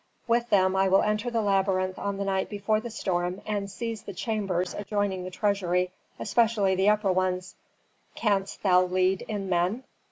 With them I will enter the labyrinth on the night before the storm, and seize the chambers adjoining the treasury, especially the upper ones." "Canst thou lead in men?"